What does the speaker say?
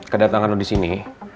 kedatangan lo di sini